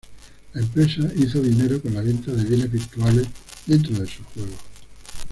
La empresa hizo dinero con la venta de bienes virtuales dentro de sus juegos.